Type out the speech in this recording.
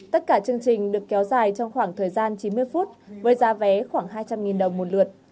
tất cả chương trình được kéo dài trong khoảng thời gian chín mươi phút với giá vé khoảng hai trăm linh đồng một lượt